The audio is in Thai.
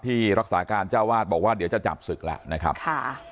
ที่รักษาการเจ้าวาดบอกว่าเดี๋ยวจะจับศึกแล้วนะครับค่ะ